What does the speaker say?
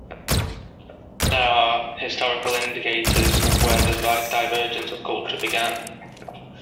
There are historical indicators of where the divergence of culture began.